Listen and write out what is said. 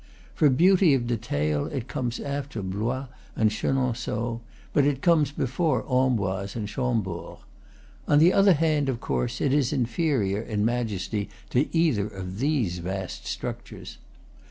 For beauty of detail it comes after Blois and Chenon ceaux; but it comes before Amboise and Chambord. On the other hand, of course, it is inferior in majesty to either of these vast structures.